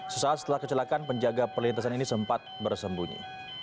sesaat setelah kecelakaan penjaga perlintasan ini sempat bersembunyi